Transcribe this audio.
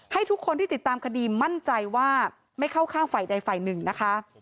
ให้ทุกคนที่ติดตามคดีมั่นใจว่าไม่เข้าข้างฝ่ายใดฝ่ายหนึ่งนะคะ